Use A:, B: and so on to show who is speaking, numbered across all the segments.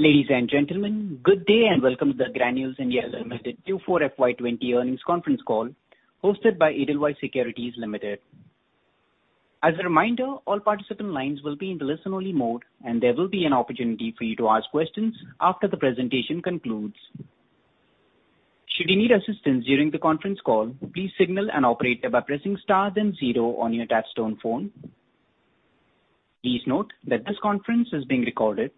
A: Ladies and gentlemen, good day and welcome to the Granules India Limited Q4 FY 2020 earnings conference call hosted by Edelweiss Securities Limited. As a reminder, all participant lines will be in listen-only mode, and there will be an opportunity for you to ask questions after the presentation concludes. Should you need assistance during the conference call, please signal an operator by pressing star then 0 on your touch-tone phone. Please note that this conference is being recorded.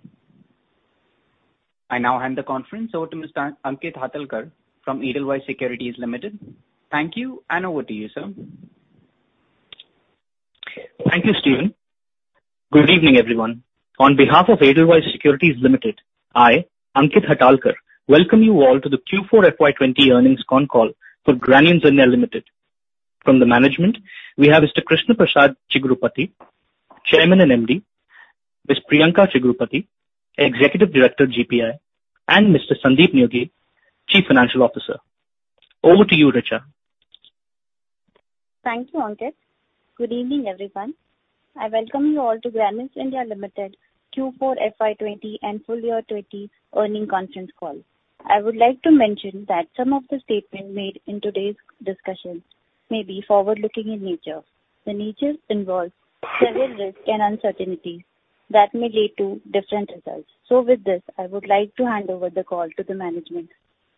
A: I now hand the conference over to Mr. Ankit Hatalkar from Edelweiss Securities Limited. Thank you. Over to you, sir.
B: Thank you, Steven. Good evening, everyone. On behalf of Edelweiss Securities Limited, I, Ankit Hatalkar, welcome you all to the Q4 FY 2020 earnings con call for Granules India Limited. From the management, we have Mr. Krishna Prasad Chigurupati, Chairman and MD, Ms. Priyanka Chigurupati, Executive Director, GPI, and Mr. Sandeep Neogi, Chief Financial Officer. Over to you, Richa.
C: Thank you, Ankit. Good evening, everyone. I welcome you all to Granules India Limited Q4 FY 2020 and full year 2020 earning conference call. I would like to mention that some of the statements made in today's discussion may be forward-looking in nature. The nature involves several risks and uncertainties that may lead to different results. With this, I would like to hand over the call to the management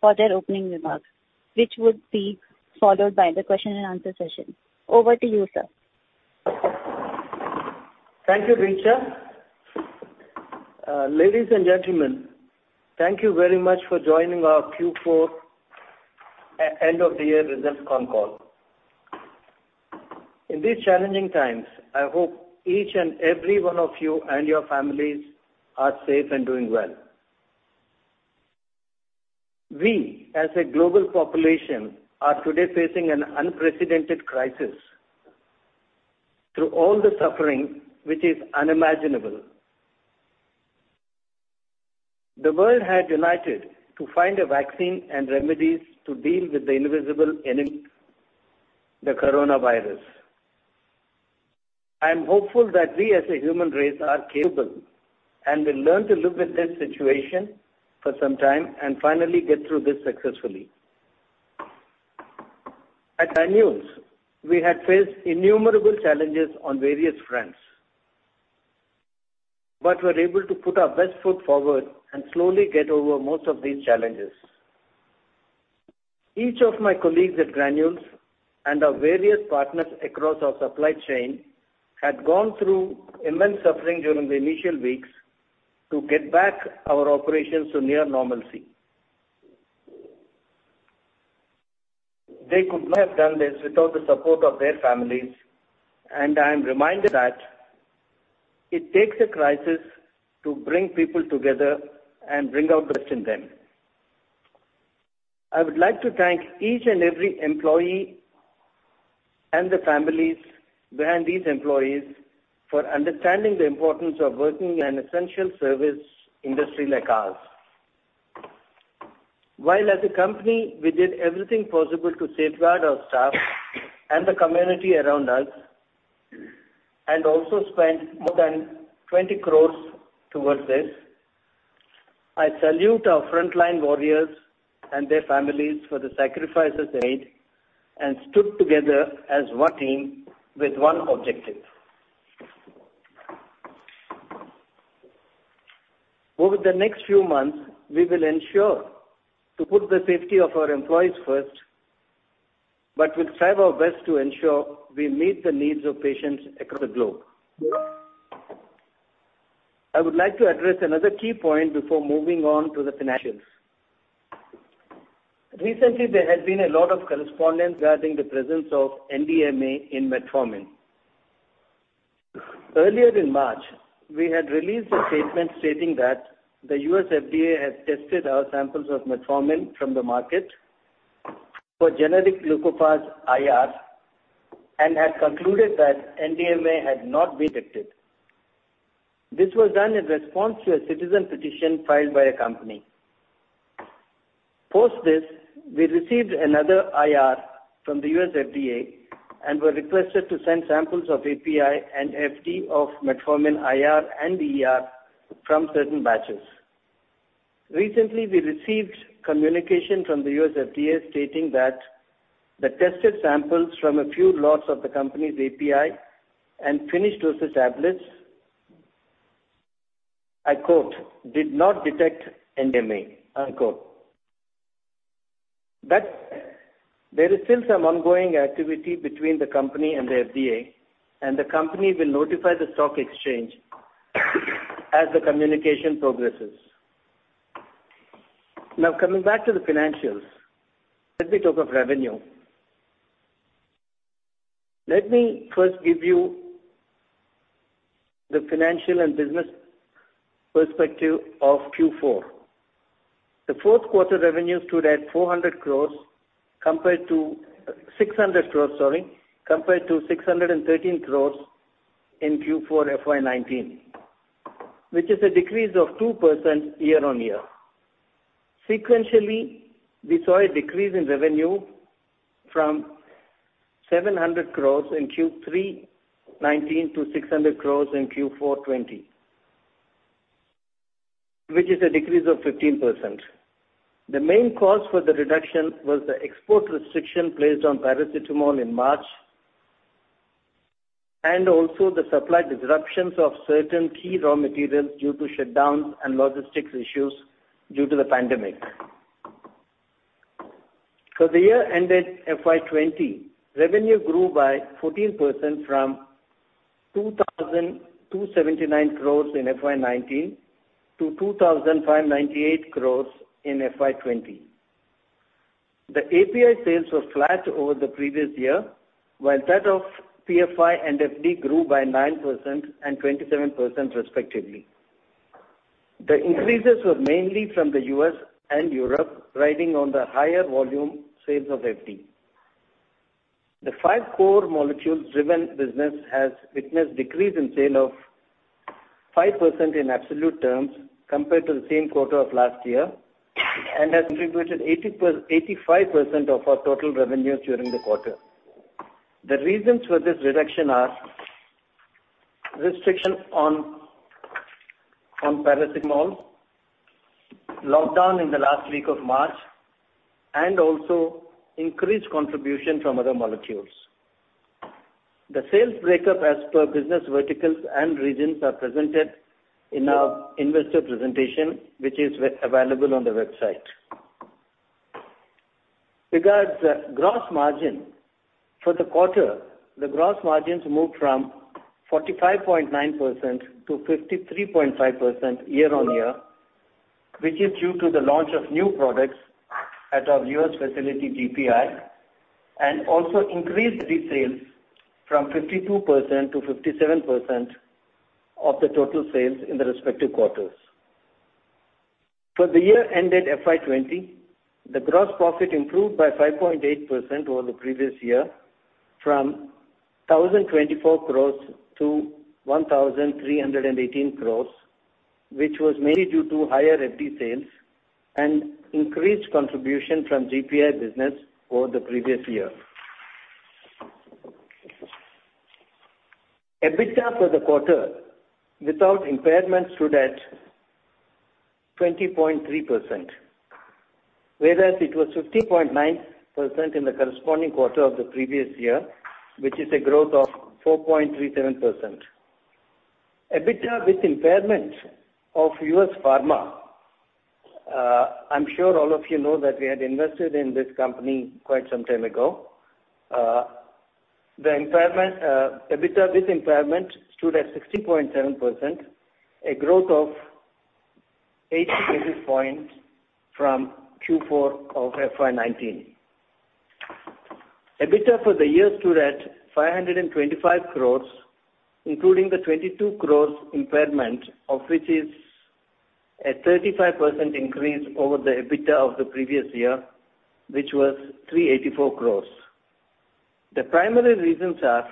C: for their opening remarks, which would be followed by the question and answer session. Over to you, sir.
D: Thank you, Richa. Ladies and gentlemen, thank you very much for joining our Q4 end-of-year results con call. In these challenging times, I hope each and every one of you and your families are safe and doing well. We, as a global population, are today facing an unprecedented crisis. Through all the suffering, which is unimaginable, the world had united to find a vaccine and remedies to deal with the invisible enemy, the coronavirus. I'm hopeful that we as a human race are capable and will learn to live with this situation for some time and finally get through this successfully. At Granules, we had faced innumerable challenges on various fronts but were able to put our best foot forward and slowly get over most of these challenges. Each of my colleagues at Granules and our various partners across our supply chain had gone through immense suffering during the initial weeks to get back our operations to near normalcy. They could not have done this without the support of their families, and I'm reminded that it takes a crisis to bring people together and bring out the best in them. I would like to thank each and every employee and the families behind these employees for understanding the importance of working in an essential service industry like ours. While as a company, we did everything possible to safeguard our staff and the community around us and also spent more than 20 crores towards this, I salute our frontline warriors and their families for the sacrifices they made and stood together as one team with one objective. Over the next few months, we will ensure to put the safety of our employees first. We'll try our best to ensure we meet the needs of patients across the globe. I would like to address another key point before moving on to the financials. Recently, there has been a lot of correspondence regarding the presence of NDMA in metformin. Earlier in March, we had released a statement stating that the U.S. FDA had tested our samples of metformin from the market for generic Glucophage IR and had concluded that NDMA had not been detected. This was done in response to a citizen petition filed by a company. Post this, we received another IR from the U.S. FDA and were requested to send samples of API and FD of metformin IR and ER from certain batches. Recently, we received communication from the U.S. FDA stating that the tested samples from a few lots of the company's API and finished those tablets, I quote, "Did not detect NDMA," unquote. That said, there is still some ongoing activity between the company and the FDA, and the company will notify the stock exchange as the communication progresses. Coming back to the financials, let me talk of revenue. Let me first give you the financial and business perspective of Q4. The fourth quarter revenue stood at 600 crores compared to 613 crores in Q4 FY 2019, which is a decrease of 2% year-over-year. Sequentially, we saw a decrease in revenue from 700 crores in Q3 2019 to 600 crores in Q4 2020, which is a decrease of 15%. The main cause for the reduction was the export restriction placed on paracetamol in March. Also, the supply disruptions of certain key raw materials due to shutdowns and logistics issues due to the pandemic. For the year ended FY 2020, revenue grew by 14% from 2,279 crores in FY 2019 to 2,598 crores in FY 2020. The API sales were flat over the previous year, while that of PFI and FD grew by 9% and 27%, respectively. The increases were mainly from the U.S. and Europe, riding on the higher volume sales of FD. The five core molecules-driven business has witnessed decrease in sale of 5% in absolute terms compared to the same quarter of last year, and has contributed 85% of our total revenue during the quarter. The reasons for this reduction are restrictions on paracetamol, lockdown in the last week of March. Also, increased contribution from other molecules. The sales breakup as per business verticals and regions are presented in our investor presentation, which is available on the website. Regards gross margin, for the quarter, the gross margins moved from 45.9% to 53.5% year-over-year, which is due to the launch of new products at our U.S. facility, GPI, and also increased the sales from 52% to 57% of the total sales in the respective quarters. For the year ended FY 2020, the gross profit improved by 5.8% over the previous year, from 1,024 crore to 1,318 crore, which was mainly due to higher FD sales and increased contribution from GPI business over the previous year. EBITDA for the quarter without impairment stood at 20.3%, whereas it was 15.9% in the corresponding quarter of the previous year, which is a growth of 4.37%. EBITDA with impairment of U.S. Pharma, I'm sure all of you know that we had invested in this company quite some time ago. The EBITDA with impairment stood at 16.7%, a growth of 80 basis points from Q4 of FY 2019. EBITDA for the year stood at 525 crore, including the 22 crore impairment, of which is a 35% increase over the EBITDA of the previous year, which was 384 crore. The primary reasons are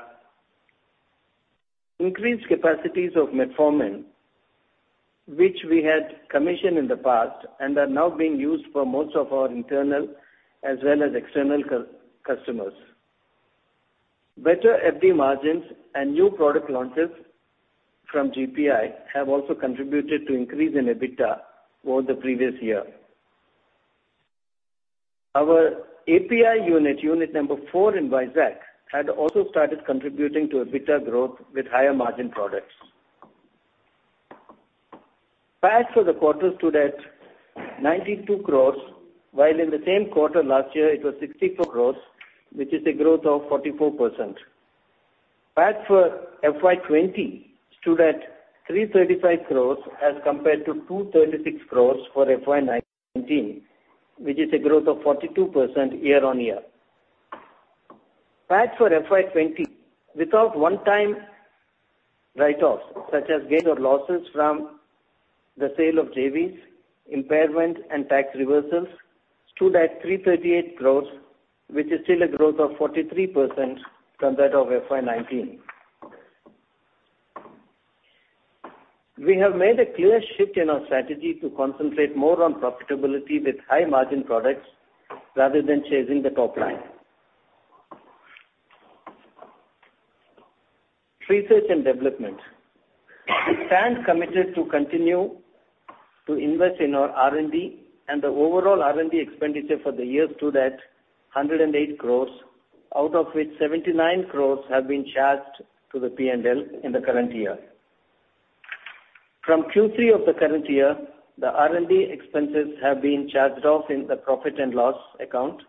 D: increased capacities of metformin, which we had commissioned in the past and are now being used for most of our internal as well as external customers. Better FD margins and new product launches from GPI have also contributed to increase in EBITDA over the previous year. Our API unit number four in Vizag, had also started contributing to EBITDA growth with higher margin products. PAT for the quarter stood at 92 crore, while in the same quarter last year it was 64 crore, which is a growth of 44%. PAT for FY 2020 stood at 335 crore as compared to 236 crore for FY 2019, which is a growth of 42% year-over-year. PAT for FY 2020, without one-time write-offs such as gains or losses from the sale of JVs, impairment, and tax reversals, stood at 338 crore, which is still a growth of 43% from that of FY 2019. We have made a clear shift in our strategy to concentrate more on profitability with high margin products rather than chasing the top line. Research and development. We stand committed to continue to invest in our R&D and the overall R&D expenditure for the year stood at 108 crore, out of which 79 crore have been charged to the P&L in the current year. From Q3 of the current year, the R&D expenses have been charged off in the profit and loss account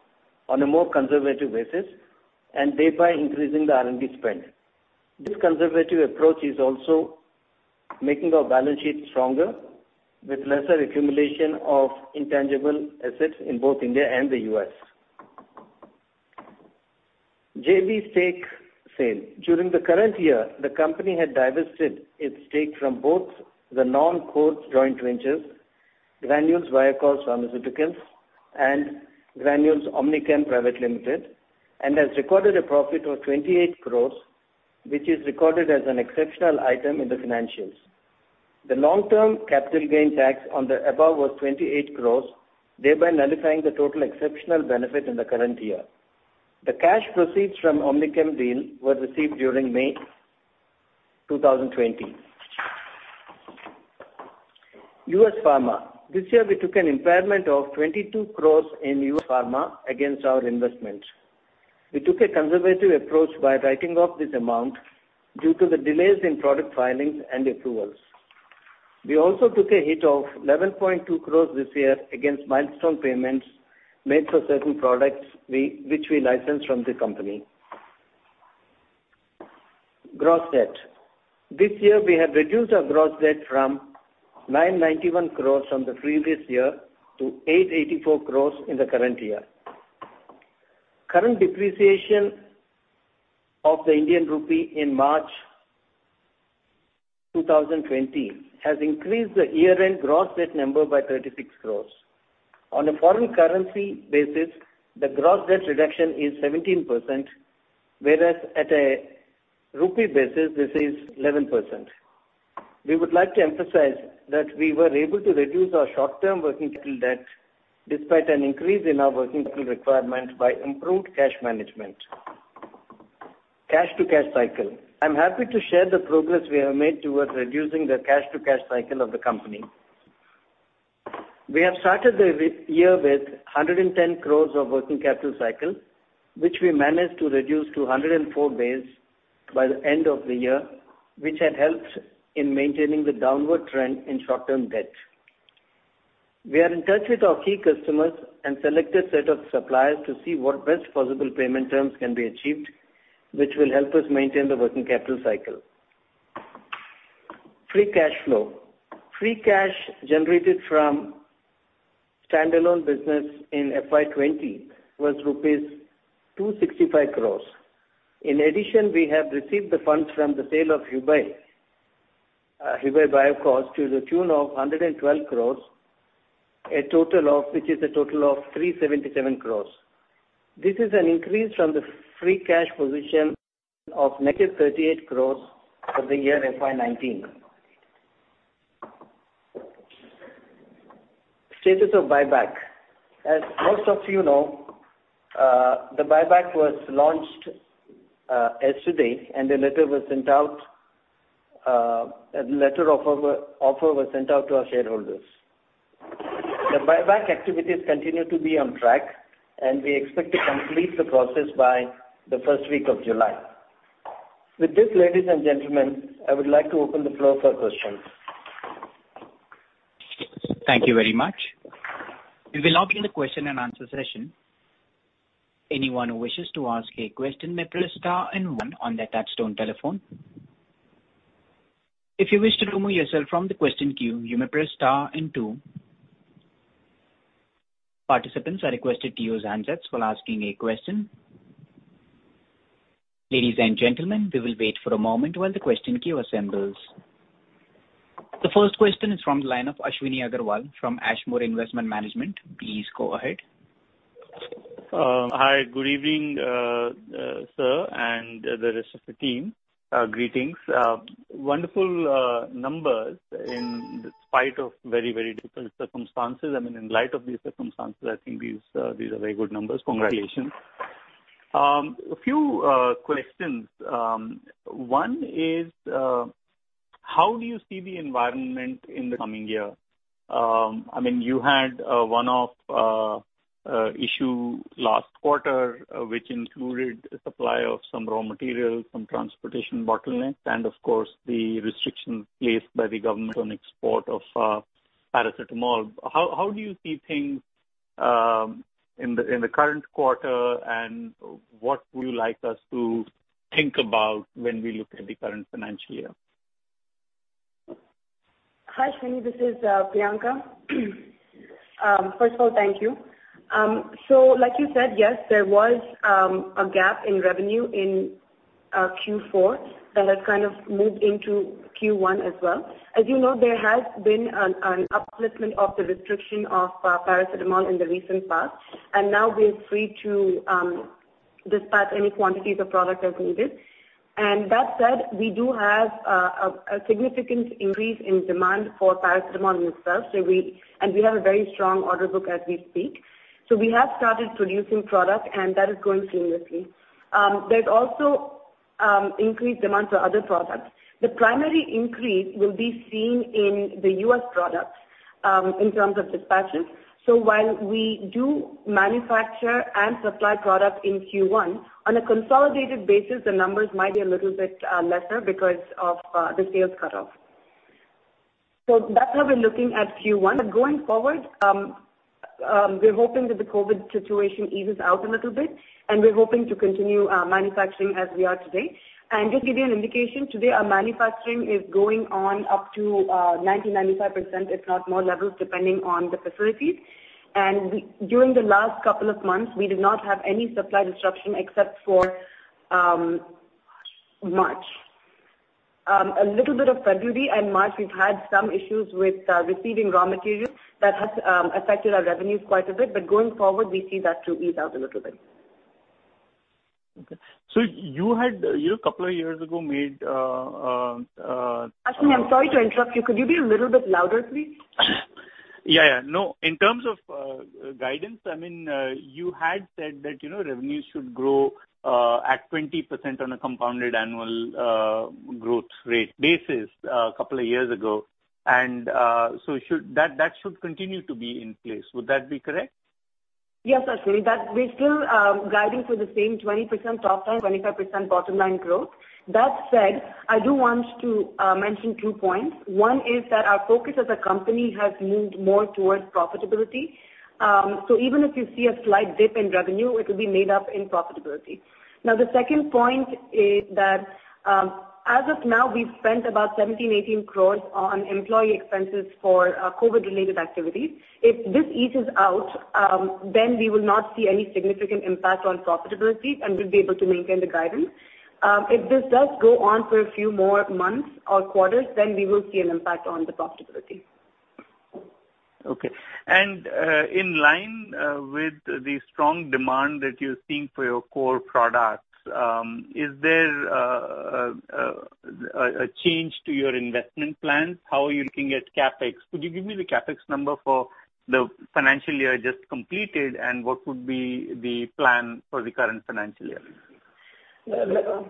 D: on a more conservative basis, thereby increasing the R&D spend. This conservative approach is also making our balance sheet stronger with lesser accumulation of intangible assets in both India and the U.S. JV stake sale. During the current year, the company had divested its stake from both the non-core joint ventures, Granules Biocause Pharmaceuticals and Granules OmniChem Private Limited, has recorded a profit of 28 crore. Which is recorded as an exceptional item in the financials. The long-term capital gain tax on the above was 28 crore, thereby nullifying the total exceptional benefit in the current year. The cash proceeds from OmniChem deal were received during May 2020. U.S. Pharma. This year we took an impairment of 22 crore in U.S. Pharma against our investment. We took a conservative approach by writing off this amount due to the delays in product filings and approvals. We also took a hit of 11.2 crore this year against milestone payments made for certain products, which we licensed from the company. Gross debt. This year we have reduced our gross debt from 991 crore from the previous year to 884 crore in the current year. Current depreciation of the Indian rupee in March 2020 has increased the year-end gross debt number by 36 crore. On a foreign currency basis, the gross debt reduction is 17%, whereas at a rupee basis, this is 11%. We would like to emphasize that we were able to reduce our short-term working capital debt despite an increase in our working capital requirement by improved cash management. Cash to cash cycle. I'm happy to share the progress we have made towards reducing the cash to cash cycle of the company. We have started the year with 110 days of working capital cycle, which we managed to reduce to 104 days by the end of the year, which has helped in maintaining the downward trend in short-term debt. We are in touch with our key customers and selected set of suppliers to see what best possible payment terms can be achieved, which will help us maintain the working capital cycle. Free cash flow. Free cash generated from standalone business in FY 2020 was rupees 265 crore. In addition, we have received the funds from the sale of Hubei Biocause to the tune of 112 crore, which is a total of 377 crore. This is an increase from the free cash position of negative 38 crore for the year FY 2019. Status of buyback. As most of you know, the buyback was launched yesterday. The letter of offer was sent out to our shareholders. The buyback activities continue to be on track. We expect to complete the process by the first week of July. With this, ladies and gentlemen, I would like to open the floor for questions.
A: Thank you very much. We will now begin the question and answer session. Anyone who wishes to ask a question may press star and one on their touchtone telephone. If you wish to remove yourself from the question queue, you may press star and two. Participants are requested to use handsets while asking a question. Ladies and gentlemen, we will wait for a moment while the question queue assembles. The first question is from the line of Ashwini Agarwal from Ashmore Investment Management. Please go ahead.
E: Hi. Good evening, sir, and the rest of the team. Greetings. Wonderful numbers in spite of very difficult circumstances. I mean, in light of the circumstances, I think these are very good numbers. Congratulations.
D: Right.
E: A few questions. One is, how do you see the environment in the coming year? I mean, you had a one-off issue last quarter, which included supply of some raw materials, some transportation bottlenecks, and of course, the restrictions placed by the government on export of paracetamol. How do you see things in the current quarter, and what would you like us to think about when we look at the current financial year?
F: Hi, Ashwini, this is Priyanka. First of all, thank you. Like you said, yes, there was a gap in revenue in Q4 that has kind of moved into Q1 as well. As you know, there has been an upliftment of the restriction of paracetamol in the recent past, and now we're free to dispatch any quantities of product as needed. That said, we do have a significant increase in demand for paracetamol itself, and we have a very strong order book as we speak. We have started producing product, and that is going seamlessly. There's also increased demand for other products. The primary increase will be seen in the U.S. products, in terms of dispatches. While we do manufacture and supply product in Q1, on a consolidated basis, the numbers might be a little bit lesser because of the sales cutoff. That's how we're looking at Q1. Going forward, we're hoping that the COVID situation eases out a little bit, and we're hoping to continue manufacturing as we are today. Just give you an indication, today our manufacturing is going on up to 90%-95%, if not more levels, depending on the facilities. During the last couple of months, we did not have any supply disruption except for March. A little bit of February and March, we've had some issues with receiving raw materials that has affected our revenues quite a bit. Going forward, we see that to ease out a little bit.
E: Okay. You had, a couple of years ago,
F: Ashwini, I'm sorry to interrupt you. Could you be a little bit louder, please?
E: Yeah. No, in terms of guidance, you had said that revenue should grow at 20% on a compounded annual growth rate basis a couple of years ago. That should continue to be in place. Would that be correct?
F: Yes, Ashwini. We're still guiding for the same 20% top line, 25% bottom line growth. That said, I do want to mention two points. One is that our focus as a company has moved more towards profitability. Even if you see a slight dip in revenue, it will be made up in profitability. The second point is that, as of now, we've spent about 17 crore, 18 crore on employee expenses for COVID-related activities. If this eases out, then we will not see any significant impact on profitability and we'll be able to maintain the guidance. If this does go on for a few more months or quarters, then we will see an impact on the profitability.
E: Okay. In line with the strong demand that you're seeing for your core products, is there a change to your investment plans? How are you looking at CapEx? Could you give me the CapEx number for the financial year just completed, and what would be the plan for the current financial year?
F: The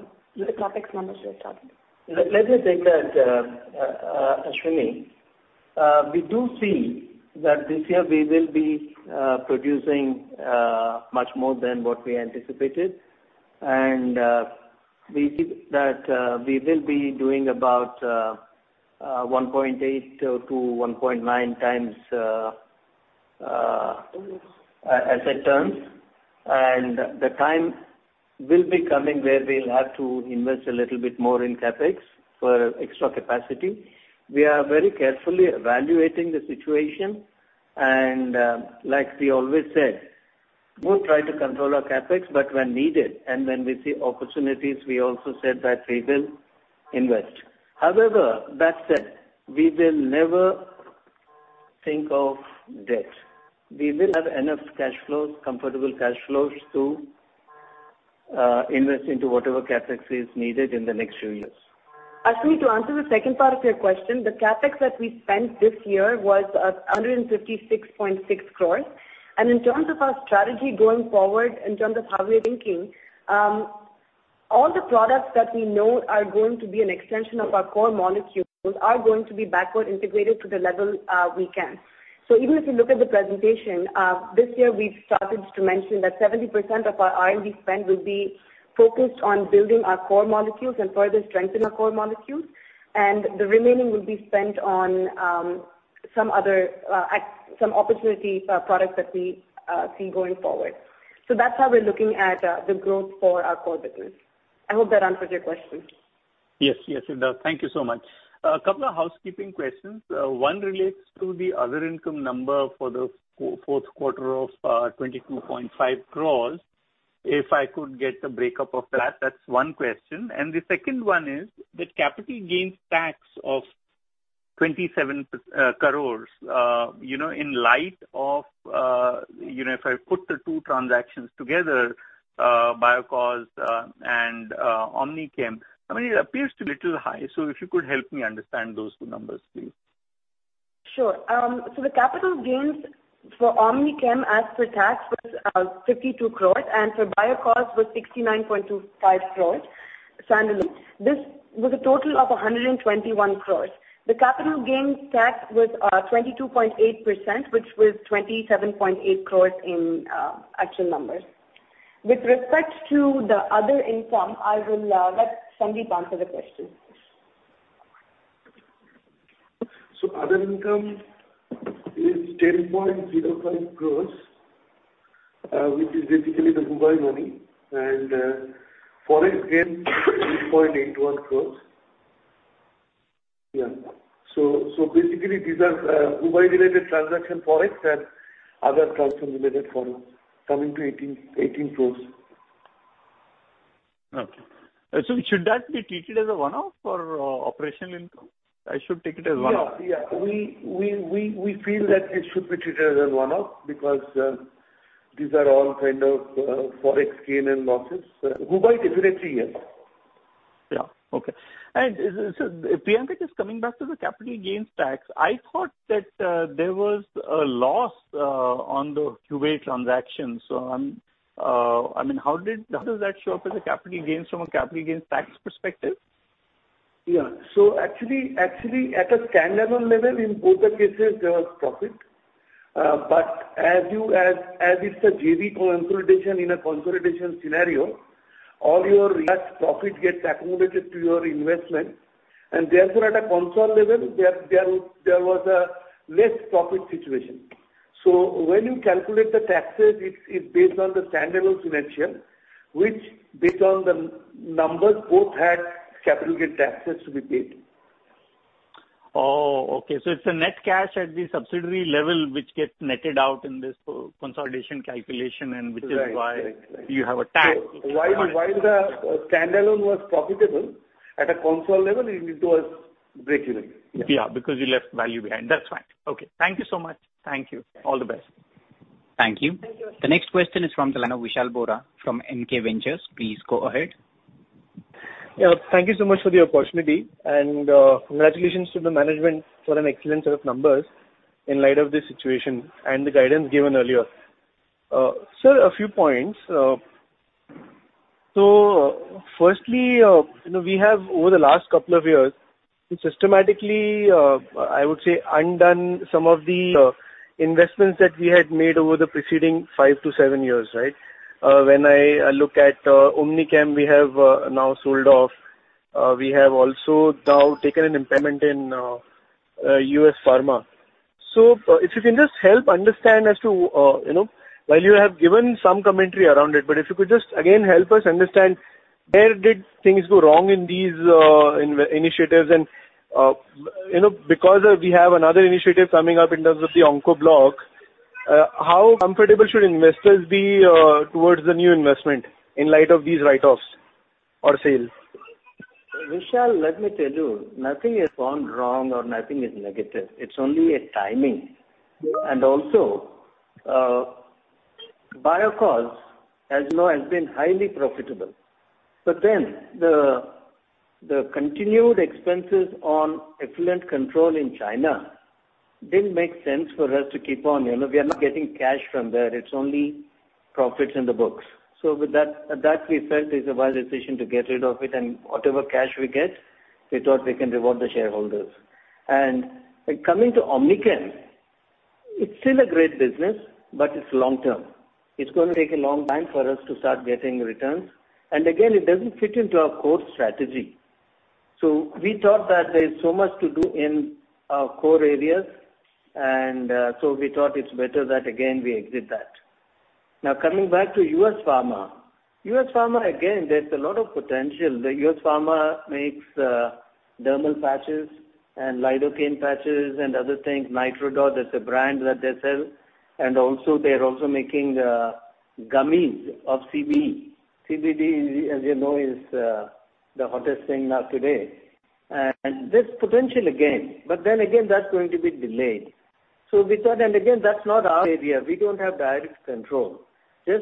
F: CapEx numbers you're talking.
D: Let me take that, Ashwini. We do see that this year we will be producing much more than what we anticipated, and we see that we will be doing about 1.8 to 1.9 times asset turns. The time will be coming where we'll have to invest a little bit more in CapEx for extra capacity. We are very carefully evaluating the situation, and like we always said, we'll try to control our CapEx, but when needed and when we see opportunities, we also said that we will invest. However, that said, we will never think of debt. We will have enough comfortable cash flows to invest into whatever CapEx is needed in the next few years.
F: Ashwini, to answer the second part of your question, the CapEx that we spent this year was 156.6 crores. In terms of our strategy going forward, in terms of how we're thinking, all the products that we know are going to be an extension of our core molecules are going to be backward integrated to the level we can. Even if you look at the presentation, this year we've started to mention that 70% of our R&D spend will be focused on building our core molecules and further strengthen our core molecules, and the remaining will be spent on some opportunity products that we see going forward. That's how we're looking at the growth for our core business. I hope that answers your question.
E: Yes, it does. Thank you so much. A couple of housekeeping questions. One relates to the other income number for the fourth quarter of 22.5 crores. If I could get the breakup of that's one question. The second one is the capital gains tax of 27 crores. In light of if I put the two transactions together, Biocause and OmniChem, it appears to be a little high. If you could help me understand those two numbers, please.
F: Sure. The capital gains for OmniChem, as per tax, was 52 crores, and for Biocause was 69.25 crores standalone. This was a total of 121 crores. The capital gains tax was 22.8%, which was 27.8 crores in actual numbers. With respect to the other income, I will let Sandeep answer the question.
G: Other income is 10.05 crores, which is basically the Dubai money and Forex gain 8.81 crores. Basically these are Dubai-related transaction Forex and other transaction-related foreign coming to 18 crores.
E: Okay. Should that be treated as a one-off or operational income? I should take it as one-off.
G: Yeah. We feel that it should be treated as a one-off because these are all kind of Forex gain and losses. Dubai definitely yes.
E: Yeah. Okay. Priyanka, just coming back to the capital gains tax, I thought that there was a loss on the Dubai transaction. How does that show up as a capital gains from a capital gains tax perspective?
F: Yeah. Actually at a stand-alone level, in both the cases, there was profit. As it's a JV consolidation in a consolidation scenario, all your past profit gets accumulated to your investment, and therefore at a console level, there was a less profit situation. When you calculate the taxes, it's based on the stand-alone financial, which based on the numbers both had capital gains taxes to be paid.
E: Oh, okay. It's a net cash at the subsidiary level which gets netted out in this consolidation calculation, which is why.
G: Right. you have a tax. While the standalone was profitable, at a consolidated level, it was breakeven.
E: Yeah, because you left value behind. That's right. Okay. Thank you so much.
D: Thank you.
E: All the best.
A: Thank you.
D: Thank you.
A: The next question is from the line of Vishal Biraia from NK Ventures. Please go ahead.
H: Yeah. Thank you so much for the opportunity, and congratulations to the management for an excellent set of numbers in light of this situation and the guidance given earlier. Sir, a few points. Firstly, we have over the last 2 years systematically, I would say, undone some of the investments that we had made over the preceding 5-7 years, right? When I look at OmniChem, we have now sold off. We have also now taken an impairment in US Pharma. If you can just help understand as to, while you have given some commentary around it, if you could just again help us understand where did things go wrong in these initiatives and because we have another initiative coming up in terms of the Onco block, how comfortable should investors be towards the new investment in light of these write-offs or sales?
D: Vishal, let me tell you, nothing has gone wrong or nothing is negative. It's only a timing. Biocause, as you know, has been highly profitable. The continued expenses on effluent control in China didn't make sense for us to keep on. We are not getting cash from there. It's only profits in the books. With that, we felt it's a wise decision to get rid of it, whatever cash we get, we thought we can reward the shareholders. Coming to OmniChem, it's still a great business, it's long-term. It's going to take a long time for us to start getting returns. Again, it doesn't fit into our core strategy. We thought that there's so much to do in our core areas, we thought it's better that again, we exit that. Coming back to US Pharma. US Pharma, there's a lot of potential. The US Pharma makes dermal patches and lidocaine patches and other things. NITRODOT is a brand that they sell. They're also making gummies of CBD. CBD, as you know, is the hottest thing now today. There's potential again, that's going to be delayed. We thought, that's not our area. We don't have direct control. We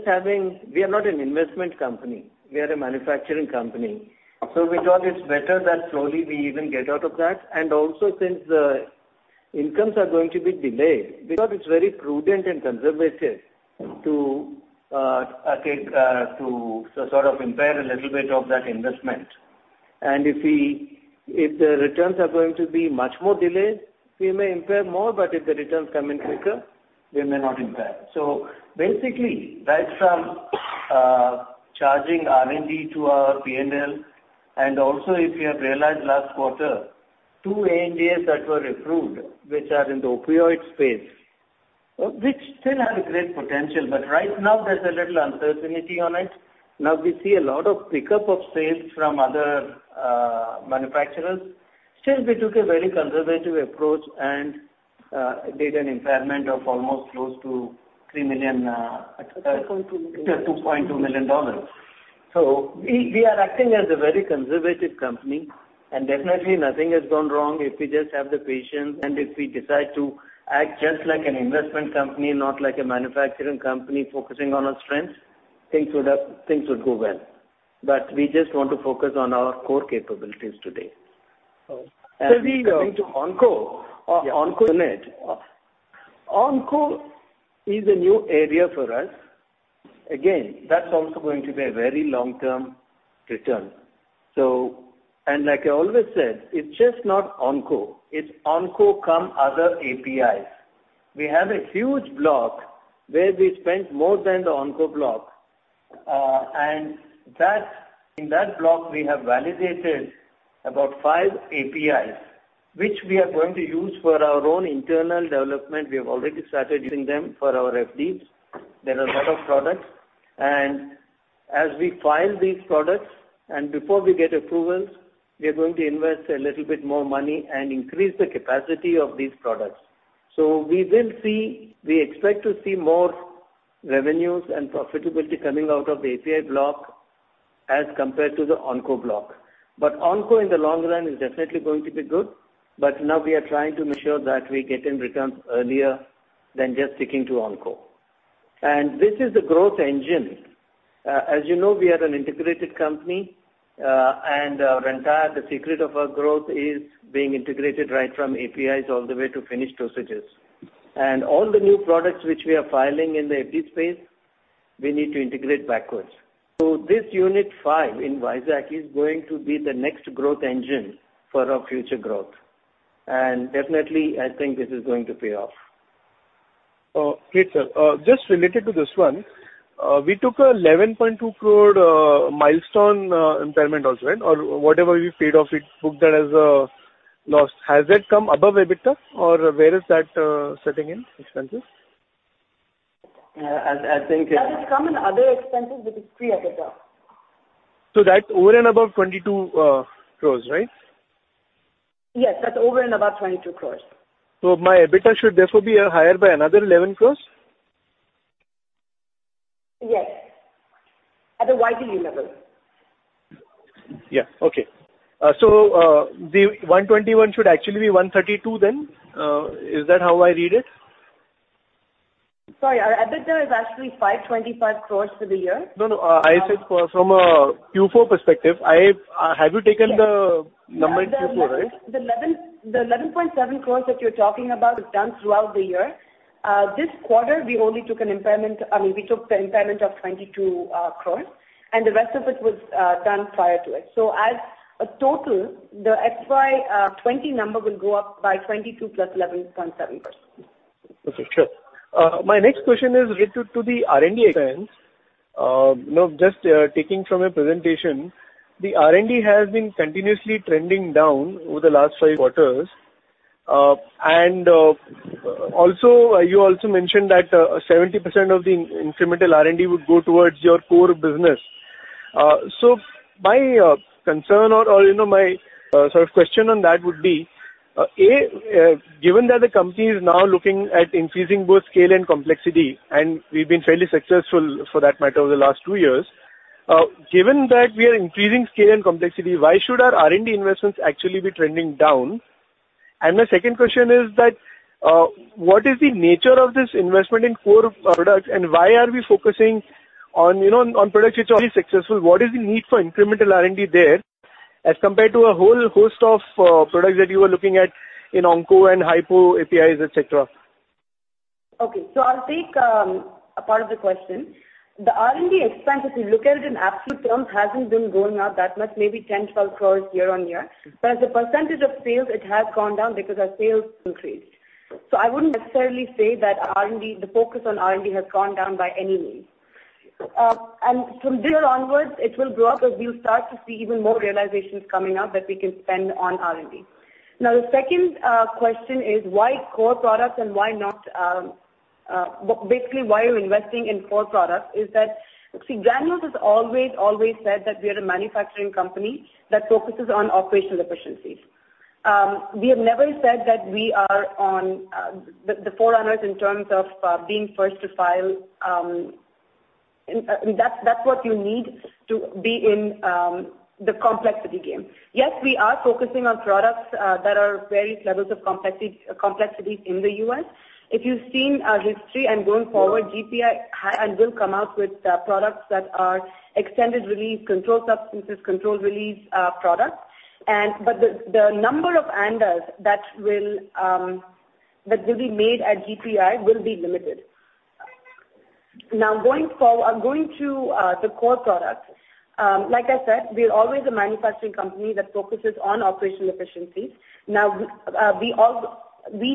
D: are not an investment company. We are a manufacturing company. We thought it's better that slowly we even get out of that. Since the incomes are going to be delayed, we thought it's very prudent and conservative to sort of impair a little bit of that investment. If the returns are going to be much more delayed, we may impair more, if the returns come in quicker, we may not impair. Basically, right from charging R&D to our P&L, if you have realized last quarter, 2 ANDAs that were approved, which are in the opioid space, which still have great potential, right now there's a little uncertainty on it. We see a lot of pickup of sales from other manufacturers. Still, we took a very conservative approach and did an impairment of almost close to $3 million.
F: $2.2 million.
D: $2.2 million. We are acting as a very conservative company. Definitely nothing has gone wrong. If we just have the patience and if we decide to act just like an investment company, not like a manufacturing company focusing on our strengths, things would go well. We just want to focus on our core capabilities today.
H: Sir.
D: Coming to Onco.
H: Yeah.
D: Onco unit. Onco is a new area for us. Again, that's also going to be a very long-term return. Like I always said, it's just not Onco. It's Onco cum other APIs. We have a huge block where we spent more than the Onco block. In that block, we have validated about five APIs, which we are going to use for our own internal development. We have already started using them for our FD. There are a lot of products. As we file these products, and before we get approvals, we are going to invest a little bit more money and increase the capacity of these products. We expect to see more revenues and profitability coming out of the API block as compared to the Onco block. Onco in the long run is definitely going to be good, but now we are trying to ensure that we get in returns earlier than just sticking to Onco. This is the growth engine. As you know, we are an integrated company, and the secret of our growth is being integrated right from APIs all the way to finished dosages. All the new products which we are filing in the FD space, we need to integrate backwards. This unit five in Vizag is going to be the next growth engine for our future growth. Definitely, I think this is going to pay off.
H: Okay, sir. Just related to this one. We took a 11.2 crore milestone impairment also, right? Whatever we paid off, we booked that as a loss. Has that come above EBITDA or where is that sitting in expenses?
D: I think.
F: That has come in other expenses, which is pre-EBITDA.
H: That's over and above 22 crores, right?
F: Yes, that's over and above 22 crores.
H: My EBITDA should therefore be higher by another 11 crores?
F: Yes. At a YTD level.
H: Yeah. Okay. The 121 should actually be 132 then. Is that how I read it?
F: Sorry, our EBITDA is actually 525 crores for the year.
H: No. I said from a Q4 perspective. Have you taken the number in Q4, right?
F: The 11.7 crores that you're talking about is done throughout the year. This quarter, we only took the impairment of 22 crores, and the rest of it was done prior to it. As a total, the FY 2020 number will go up by 22 plus 11.2 crore.
H: Okay. Sure. My next question is related to the R&D expense. Just taking from your presentation, the R&D has been continuously trending down over the last five quarters. You also mentioned that 70% of the incremental R&D would go towards your core business. My concern, or my question on that would be, A, given that the company is now looking at increasing both scale and complexity, and we've been fairly successful for that matter over the last two years. Given that we are increasing scale and complexity, why should our R&D investments actually be trending down? My second question is, what is the nature of this investment in core products, and why are we focusing on products which are already successful? What is the need for incremental R&D there as compared to a whole host of products that you were looking at in Onco and hypo APIs, et cetera?
F: Okay. I'll take a part of the question. The R&D expense, if you look at it in absolute terms, hasn't been going up that much, maybe 10, 12 crores year-over-year. As a percentage of sales, it has gone down because our sales increased. I wouldn't necessarily say that the focus on R&D has gone down by any means. From there onwards, it will go up as we'll start to see even more realizations coming up that we can spend on R&D. The second question is why core products and why not Basically, why you're investing in core products is that, see, Granules has always said that we are a manufacturing company that focuses on operational efficiencies. We have never said that we are the forerunners in terms of being first to file. That's what you need to be in the complexity game. Yes, we are focusing on products that are various levels of complexities in the U.S. If you've seen our history and going forward, GPI has and will come out with products that are extended release, control substances, control release products. The number of ANDAs that will be made at GPI will be limited. Going to the core products. Like I said, we're always a manufacturing company that focuses on operational efficiencies. We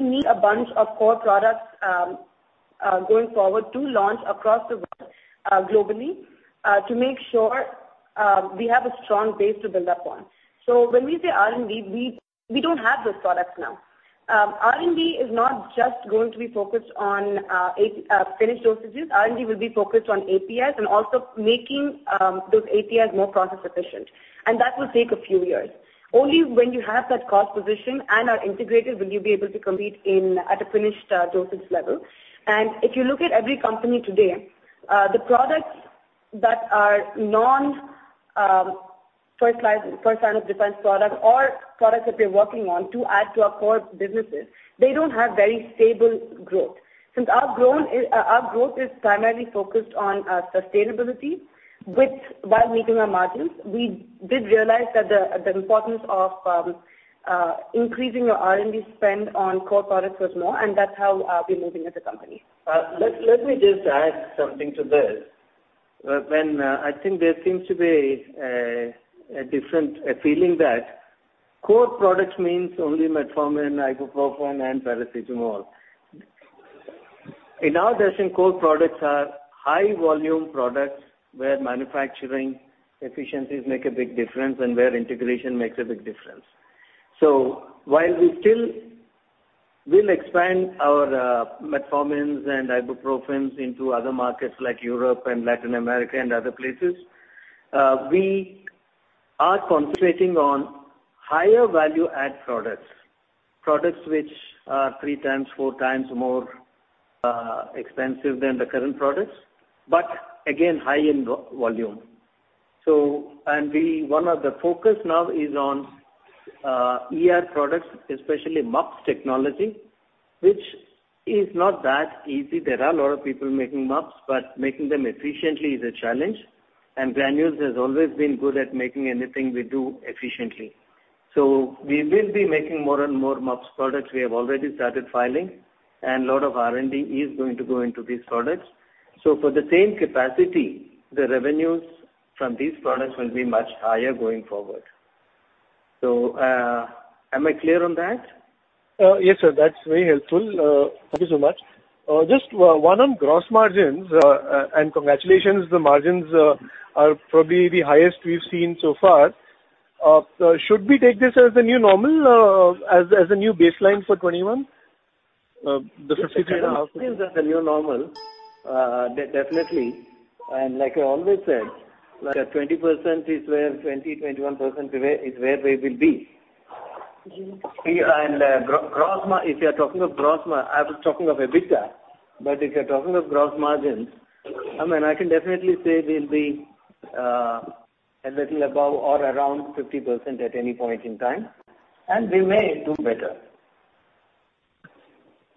F: need a bunch of core products, going forward, to launch across the world globally, to make sure we have a strong base to build upon. When we say R&D, we don't have those products now. R&D is not just going to be focused on finished dosages. R&D will be focused on APIs and also making those APIs more process efficient. That will take a few years. Only when you have that cost position and are integrated, will you be able to compete at a finished dosage level. If you look at every company today, the products that are non-first-line defense products or products that they're working on to add to our core businesses, they don't have very stable growth. Since our growth is primarily focused on sustainability while making our margins, we did realize that the importance of increasing our R&D spend on core products was more, that's how we're moving as a company.
D: Let me just add something to this. I think there seems to be a different feeling that core products means only metformin, ibuprofen, and paracetamol. In our discussion, core products are high-volume products where manufacturing efficiencies make a big difference and where integration makes a big difference. While we still will expand our metformins and ibuprofens into other markets like Europe and Latin America and other places, we are concentrating on higher value-add products. Products which are three times, four times more expensive than the current products, but again, high in volume. One of the focus now is on ER products, especially MUPS technology, which is not that easy. There are a lot of people making MUPS, but making them efficiently is a challenge, and Granules has always been good at making anything we do efficiently. We will be making more and more MUPS products. We have already started filing, and a lot of R&D is going to go into these products. For the same capacity, the revenues from these products will be much higher going forward. Am I clear on that?
H: Yes, sir. That's very helpful. Thank you so much. Just one on gross margins. Congratulations, the margins are probably the highest we've seen so far. Should we take this as the new normal, as the new baseline for 2021? The 53.5-
D: This is the new normal. Definitely. Like I always said, 20%, 21% is where we will be. If you are talking of gross, I was talking of EBITDA. If you're talking of gross margins, I can definitely say we'll be a little above or around 50% at any point in time, and we may do better.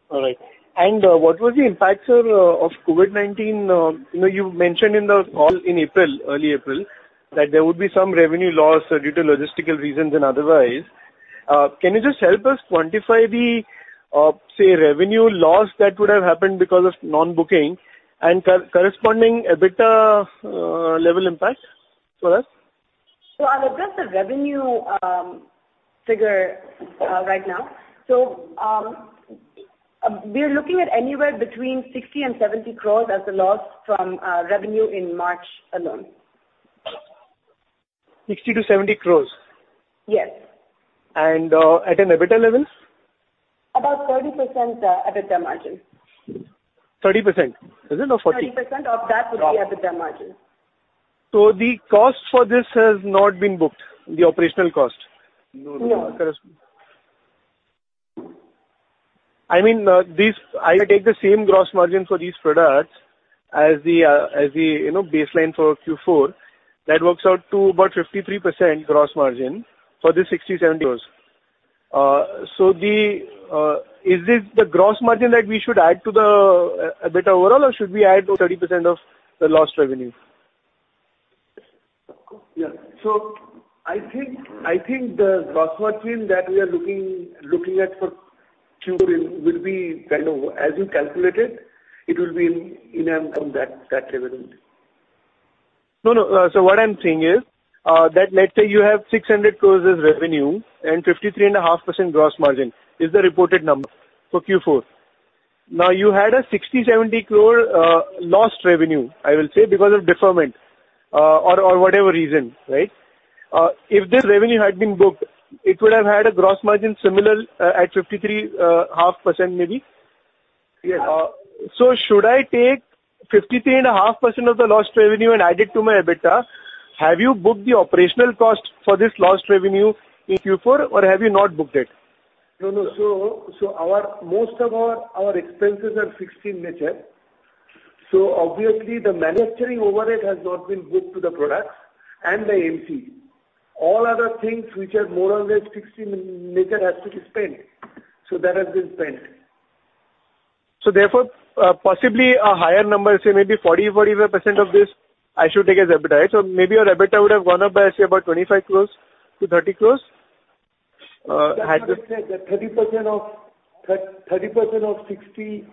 H: All right. What was the impact, sir, of COVID-19? You've mentioned in the call in early April, that there would be some revenue loss due to logistical reasons and otherwise. Can you just help us quantify the, say, revenue loss that would have happened because of non-booking and corresponding EBITDA level impact for us?
F: I'll address the revenue figure right now. We are looking at anywhere between 60 crores and 70 crores as the loss from revenue in March alone.
H: 60 crore to 70 crore?
F: Yes.
H: At an EBITDA level?
F: About 30% EBITDA margin.
H: 30%? Is it not 40?
F: 30% of that would be EBITDA margin.
H: The cost for this has not been booked, the operational cost?
F: No.
H: I mean, if I take the same gross margin for these products as the baseline for Q4, that works out to about 53% gross margin for the 60-70 crores. Is this the gross margin that we should add to the EBITDA overall, or should we add the 30% of the lost revenue?
D: Yeah. I think the gross margin that we are looking at for Q4 will be kind of as you calculate it will be in and from that revenue.
H: No. What I'm saying is that let's say you have 600 crore as revenue and 53.5% gross margin is the reported number for Q4. You had a 60 crore-70 crore lost revenue, I will say because of deferment or whatever reason. If this revenue had been booked, it would have had a gross margin similar at 53.5% maybe.
D: Yes.
H: Should I take 53.5% of the lost revenue and add it to my EBITDA? Have you booked the operational cost for this lost revenue in Q4 or have you not booked it?
D: No. Most of our expenses are fixed in nature. Obviously the manufacturing overhead has not been booked to the products and the MC. All other things which are more or less fixed in nature has to be spent. That has been spent.
H: Therefore, possibly a higher number, say maybe 40%-45% of this, I should take as EBITDA. Maybe your EBITDA would have gone up by, say, about 25 crore-30 crore?
D: That's what I said, that 30% of 60.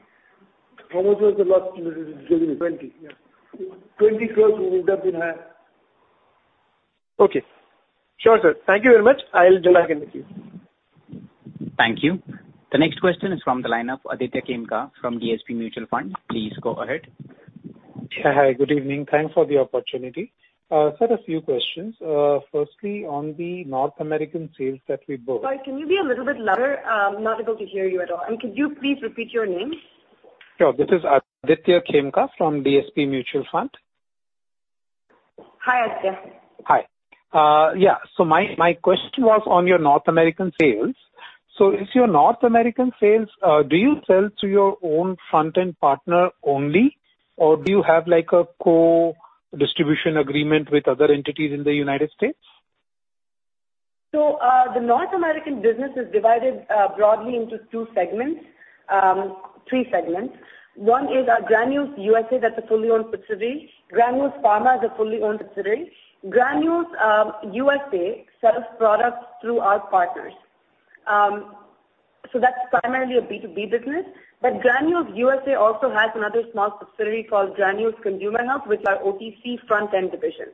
D: How much was the lost revenue?
F: 20. Yeah.
D: 20 crores would have been had.
H: Okay. Sure, sir. Thank you very much. I'll interact with you.
A: Thank you. The next question is from the line of Aditya Khemka from DSP Mutual Fund. Please go ahead.
I: Hi. Good evening. Thanks for the opportunity. Sir, a few questions. Firstly, on the North American sales that we book-
F: Sorry, can you be a little bit louder? I'm not able to hear you at all. Could you please repeat your name?
I: Sure. This is Aditya Khemka from DSP Mutual Fund.
F: Hi, Aditya.
I: Hi. Yeah. My question was on your North American sales. If your North American sales, do you sell to your own front-end partner only, or do you have a co-distribution agreement with other entities in the United States?
F: The North American business is divided broadly into three segments. One is our Granules USA, that's a fully owned subsidiary. Granules Pharma is a fully owned subsidiary. Granules USA sells products through our partners. That's primarily a B2B business. Granules USA also has another small subsidiary called Granules Consumer Health, which is our OTC front-end division.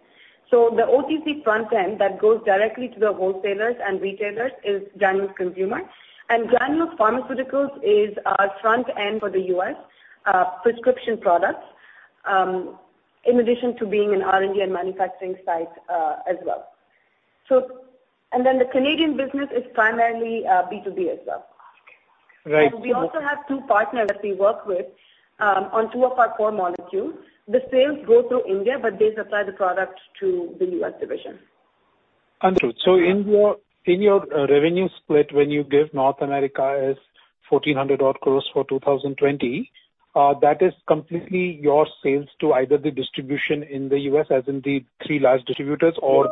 F: The OTC front-end that goes directly to the wholesalers and retailers is Granules Consumer. Granules Pharmaceuticals is our front end for the U.S. prescription products, in addition to being an R&D and manufacturing site as well. The Canadian business is primarily B2B as well.
I: Right.
F: We also have two partners that we work with on two of our four molecules. The sales go through India, but they supply the product to the U.S. division.
I: Understood. In your revenue split, when you give North America as 1,400 odd crores for 2020, that is completely your sales to either the distribution in the U.S., as in the three large distributors or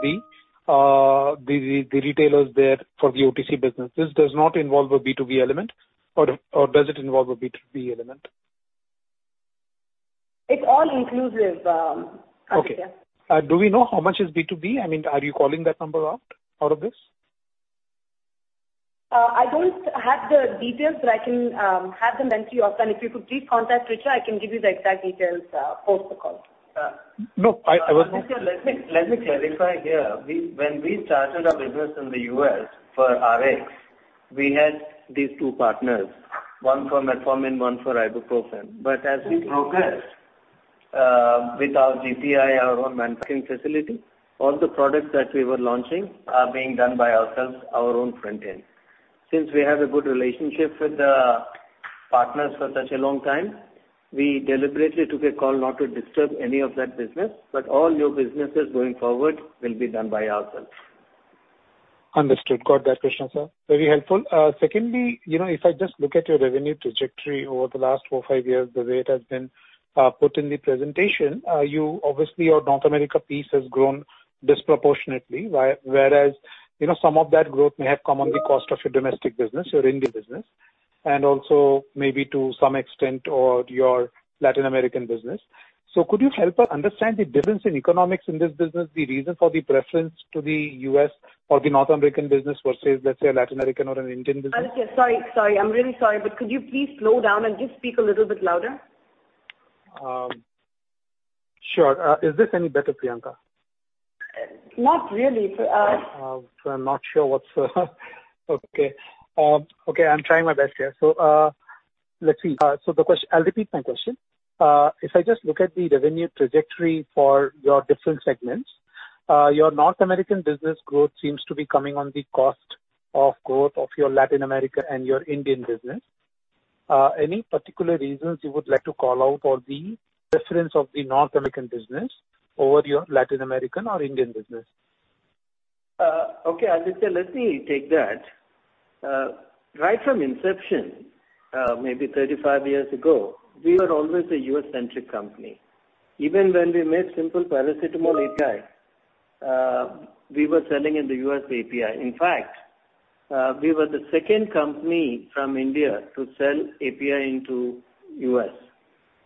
I: the retailers there for the OTC business. This does not involve a B2B element. Or does it involve a B2B element?
F: It's all inclusive, Aditya.
I: Okay. Do we know how much is B2B? I mean, are you calling that number out of this?
F: I don't have the details, but I can have them sent to you. If you could please contact Richa, I can give you the exact details post the call.
I: No.
D: Aditya, let me clarify here. When we started our business in the U.S. for RX, we had these two partners, one for metformin, one for ibuprofen. As we progressed with our GPI, our own manufacturing facility, all the products that we were launching are being done by ourselves, our own front end. Since we have a good relationship with the partners for such a long time, we deliberately took a call not to disturb any of that business, but all new businesses going forward will be done by ourselves.
I: Understood. Got that, Krishna sir. Very helpful. Secondly, if I just look at your revenue trajectory over the last four or five years, the way it has been put in the presentation, obviously, your North America piece has grown disproportionately. Whereas, some of that growth may have come on the cost of your domestic business, your India business, and also maybe to some extent, your Latin American business. Could you help us understand the difference in economics in this business, the reason for the preference to the U.S. or the North American business versus, let's say, a Latin American or an Indian business?
F: Sorry. I'm really sorry, but could you please slow down and just speak a little bit louder?
I: Sure. Is this any better, Priyanka?
F: Not really.
I: I'm not sure. Okay. I'm trying my best here. Let's see. I'll repeat my question. If I just look at the revenue trajectory for your different segments, your North American business growth seems to be coming on the cost of growth of your Latin America and your Indian business. Any particular reasons you would like to call out for the preference of the North American business over your Latin American or Indian business?
D: Okay, Aditya, let me take that. Right from inception, maybe 35 years ago, we were always a U.S.-centric company. Even when we made simple paracetamol API, we were selling in the U.S. API. In fact, we were the second company from India to sell API into U.S.,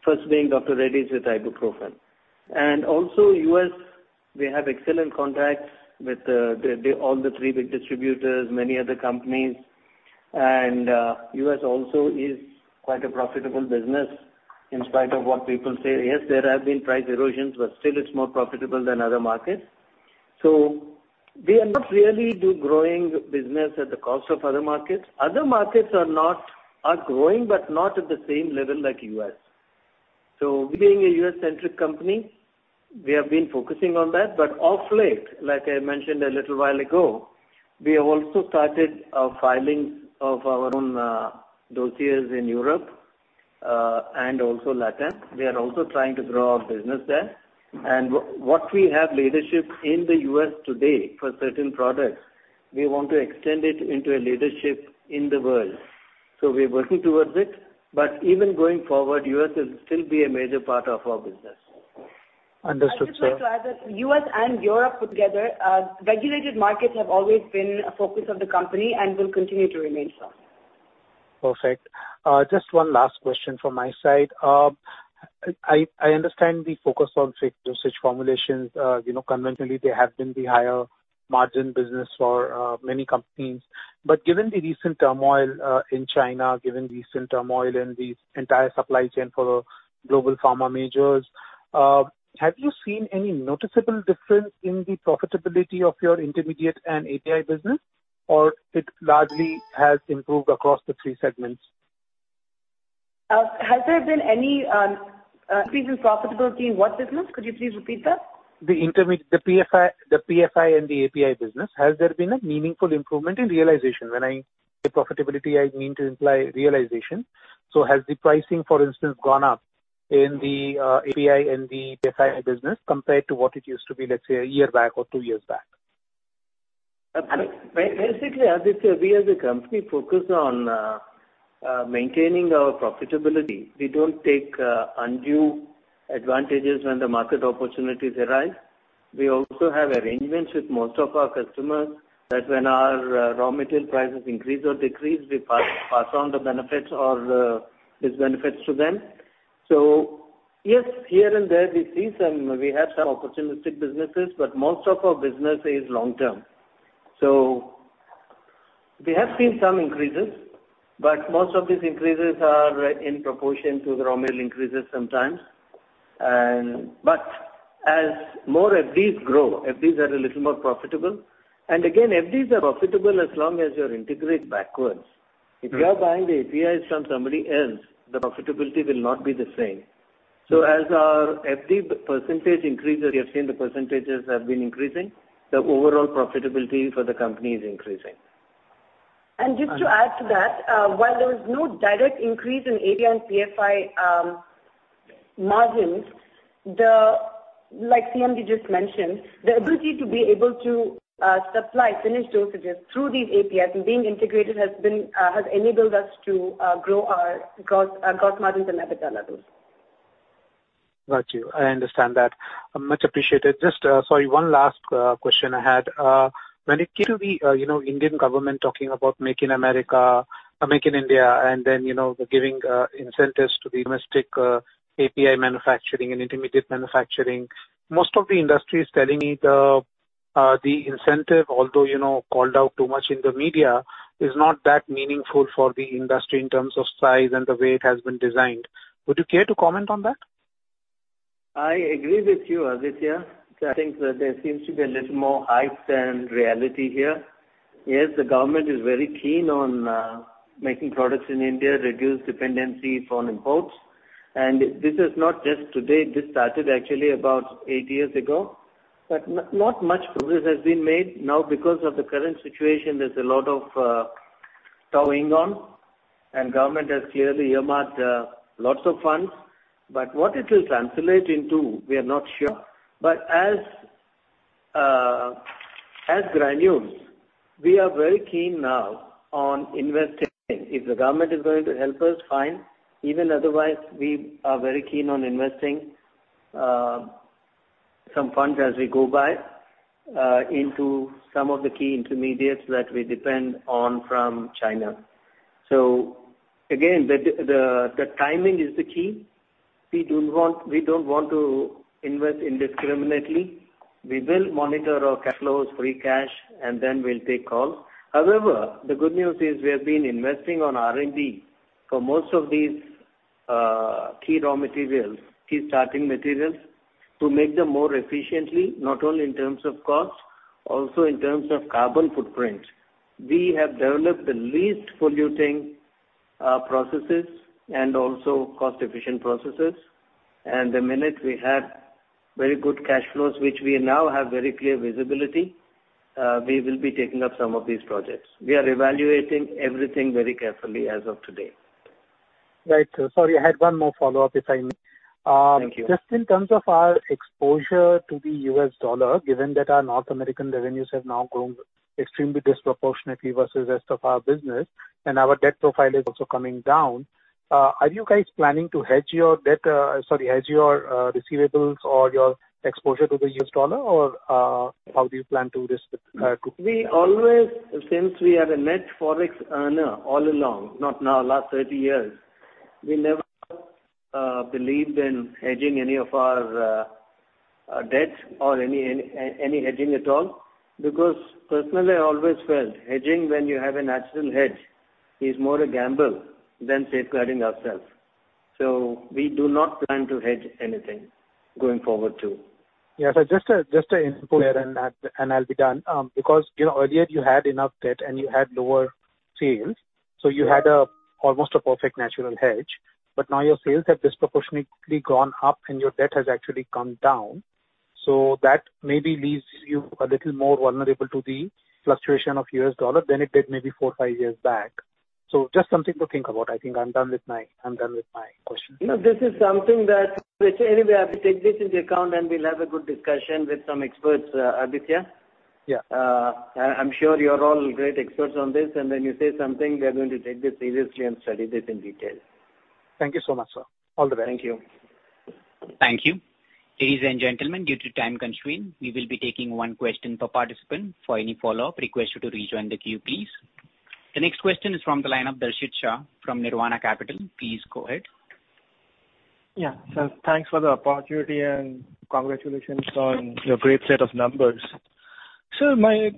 D: first being Dr. Reddy's with ibuprofen. Also, U.S., we have excellent contacts with all the three big distributors, many other companies. U.S. also is quite a profitable business in spite of what people say. Yes, there have been price erosions, but still it's more profitable than other markets. We are not really growing business at the cost of other markets. Other markets are growing, but not at the same level like U.S. Being a U.S.-centric company, we have been focusing on that. Of late, like I mentioned a little while ago, we have also started filings of our own dossiers in Europe, and also LATAM. We are also trying to grow our business there. What we have leadership in the U.S. today for certain products, we want to extend it into a leadership in the world. We're working towards it, but even going forward, U.S. will still be a major part of our business.
I: Understood, sir.
F: I'd just like to add that U.S. and Europe put together, regulated markets have always been a focus of the company and will continue to remain so.
I: Perfect. Just one last question from my side. I understand the focus on fixed dosage formulations. Conventionally, they have been the higher margin business for many companies. Given the recent turmoil in China, given recent turmoil in the entire supply chain for global pharma majors, have you seen any noticeable difference in the profitability of your intermediate and API business, or it largely has improved across the three segments?
F: Has there been any increase in profitability in what business? Could you please repeat that?
I: The PFI and the API business, has there been a meaningful improvement in realization? When I say profitability, I mean to imply realization. Has the pricing, for instance, gone up in the API and the PFI business compared to what it used to be, let's say, a year back or two years back?
D: Basically, Aditya, we as a company focus on maintaining our profitability. We don't take undue advantages when the market opportunities arise. We also have arrangements with most of our customers that when our raw material prices increase or decrease, we pass on the benefits or dis-benefits to them. Yes, here and there we have some opportunistic businesses, but most of our business is long-term. We have seen some increases, but most of these increases are in proportion to the raw material increases sometimes. As more FDs grow, FDs are a little more profitable, and again, FDs are profitable as long as you're integrated backwards. If you are buying the APIs from somebody else, the profitability will not be the same. As our FD percentage increases, we have seen the percentages have been increasing, the overall profitability for the company is increasing.
F: Just to add to that, while there was no direct increase in API and PFI margins, like CMD just mentioned, the ability to be able to supply finished dosages through these APIs and being integrated has enabled us to grow our gross margins and EBITDA levels.
I: Got you. I understand that. Much appreciated. Just, sorry, one last question I had. When it came to the Indian government talking about Make in America or Make in India, and then they're giving incentives to the domestic API manufacturing and intermediate manufacturing, most of the industry is telling me the incentive, although called out too much in the media, is not that meaningful for the industry in terms of size and the way it has been designed. Would you care to comment on that?
D: I agree with you, Aditya. I think that there seems to be a little more hype than reality here. Yes, the government is very keen on making products in India, reduce dependency on imports. This is not just today. This started actually about eight years ago. Not much progress has been made. Now because of the current situation, there's a lot of towing on. Government has clearly earmarked lots of funds. What it will translate into, we are not sure. As Granules, we are very keen now on investing. If the government is going to help us, fine. Even otherwise, we are very keen on investing some funds as we go by into some of the key intermediates that we depend on from China. Again, the timing is the key. We don't want to invest indiscriminately. We will monitor our cash flows, free cash. We'll take calls. However, the good news is we have been investing on R&D for most of these key raw materials, key starting materials, to make them more efficiently, not only in terms of cost, also in terms of carbon footprint. We have developed the least polluting processes and also cost-efficient processes. The minute we have very good cash flows, which we now have very clear visibility, we will be taking up some of these projects. We are evaluating everything very carefully as of today.
I: Right. Sorry, I had one more follow-up, if I may.
D: Thank you.
I: Just in terms of our exposure to the U.S. dollar, given that our North American revenues have now grown extremely disproportionately versus rest of our business and our debt profile is also coming down, are you guys planning to hedge your receivables or your exposure to the U.S. dollar? How do you plan to this quickly?
D: Since we are a net Forex earner all along, not now, last 30 years, we never believed in hedging any of our debts or any hedging at all. Personally, I always felt hedging when you have a natural hedge is more a gamble than safeguarding ourselves. We do not plan to hedge anything going forward, too.
I: Yeah. Just an input there, and I will be done. Earlier you had enough debt and you had lower sales, so you had almost a perfect natural hedge. Now your sales have disproportionately gone up and your debt has actually come down. That maybe leaves you a little more vulnerable to the fluctuation of U.S. dollar than it did maybe four or five years back. Just something to think about. I think I am done with my questions.
D: No, this is something that anyway, I will take this into account and we'll have a good discussion with some experts, Aditya.
I: Yeah.
D: I'm sure you're all great experts on this, and when you say something, we are going to take this seriously and study this in detail.
I: Thank you so much, sir. All the best.
D: Thank you.
A: Thank you. Ladies and gentlemen, due to time constraint, we will be taking one question per participant. For any follow-up, request you to rejoin the queue, please. The next question is from the line of Darshit Shah from Nirvana Capital. Please go ahead.
J: Yeah. Sir, thanks for the opportunity and congratulations on your great set of numbers. I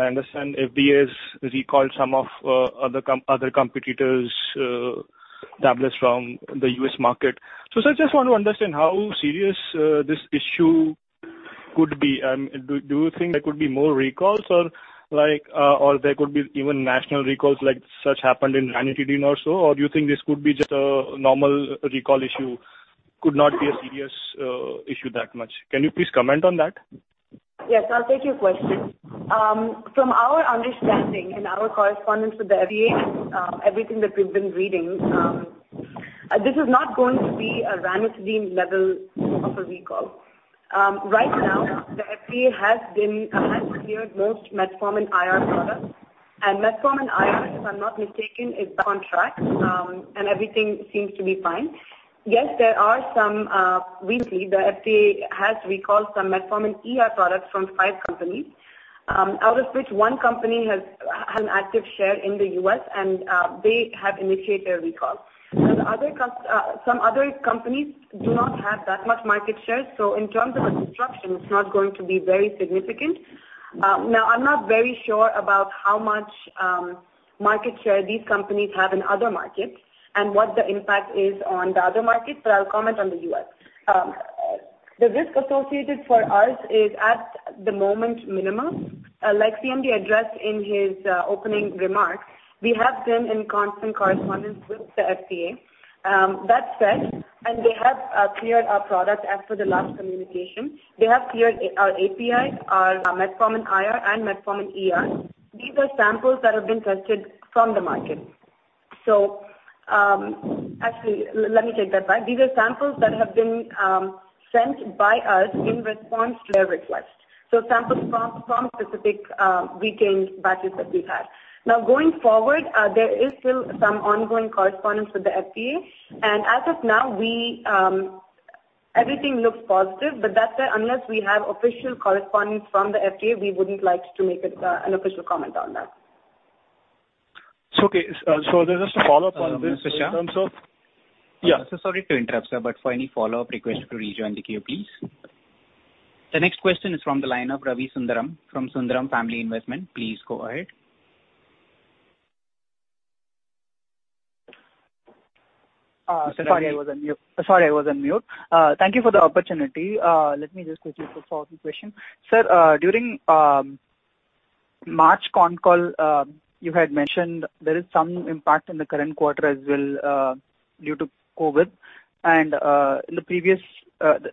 J: understand FDA has recalled some of other competitors' tablets from the U.S. market. Sir, I just want to understand how serious this issue could be. Do you think there could be more recalls or there could be even national recalls like such happened in ranitidine also? Do you think this could be just a normal recall issue, could not be a serious issue that much? Can you please comment on that?
F: Yes, I'll take your question. From our understanding and our correspondence with the FDA and everything that we've been reading, this is not going to be a ranitidine level of a recall. Right now, the FDA has cleared most metformin IR products, and metformin IR, if I'm not mistaken, is on track. Everything seems to be fine. Yes, there are some. We see the FDA has recalled some metformin ER products from five companies, out of which one company has an active share in the U.S. and they have initiated a recall. Some other companies do not have that much market share. In terms of construction, it's not going to be very significant. I'm not very sure about how much market share these companies have in other markets and what the impact is on the other markets, but I'll comment on the U.S. The risk associated for us is at the moment minimum. Like CMD addressed in his opening remarks, we have been in constant correspondence with the FDA. That said, they have cleared our product as per the last communication. They have cleared our APIs, our metformin IR and metformin ER. These are samples that have been tested from the market. Actually, let me take that back. These are samples that have been sent by us in response to their request. Samples from specific retained batches that we have. Going forward, there is still some ongoing correspondence with the FDA, as of now, everything looks positive. That said, unless we have official correspondence from the FDA, we wouldn't like to make an official comment on that.
J: It's okay. There's just a follow-up on this in terms of.
A: Mr. Shah.
J: Yeah.
A: Sir, sorry to interrupt, sir. For any follow-up, request to rejoin the queue, please. The next question is from the line of Ravi Sundaram from Sundaram Family Investment. Please go ahead.
K: Sorry, I was on mute. Thank you for the opportunity. Let me just quickly put forward the question. Sir, during March con call, you had mentioned there is some impact in the current quarter as well due to COVID. In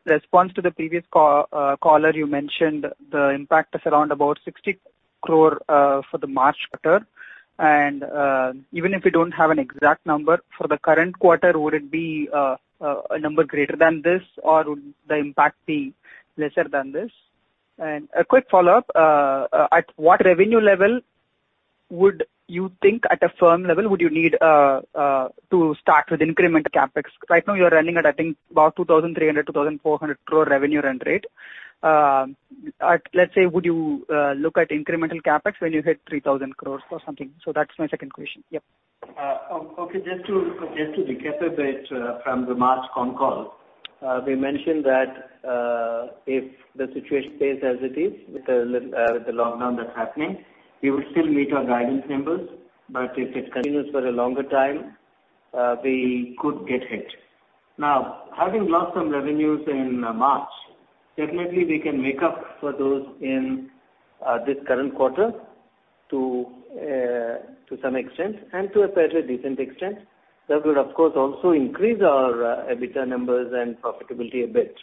K: response to the previous caller, you mentioned the impact is around about 60 crore for the March quarter. Even if you don't have an exact number for the current quarter, would it be a number greater than this, or would the impact be lesser than this? A quick follow-up. At what revenue level would you think at a firm level would you need to start with incremental CapEx? Right now you're running at, I think, about 2,300 crore, 2,400 crore revenue run rate. Let's say, would you look at incremental CapEx when you hit 3,000 crore or something? That's my second question. Yep.
D: Okay. Just to reiterate from the March con call, we mentioned that if the situation stays as it is with the lockdown that's happening, we would still meet our guidance numbers. If it continues for a longer time, we could get hit. Now, having lost some revenues in March, definitely we can make up for those in this current quarter to some extent, and to a fairly decent extent. That will, of course, also increase our EBITDA numbers and profitability a bit.